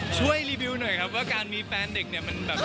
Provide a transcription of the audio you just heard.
ช่วยรีวิวหน่อยครับว่าการมีแฟนเด็กเนี่ยมันแบบ